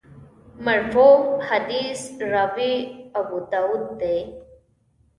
مرفوع حدیث راوي ابوداوود دی.